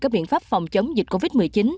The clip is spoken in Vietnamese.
các biện pháp phòng chống dịch covid một mươi chín